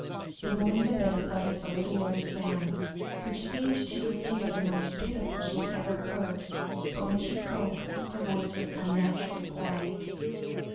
The woman in the bed uttered a little low sound, which seemed to Christina the most pitiful she had ever heard, but when she spoke, her voice was unnaturally quiet.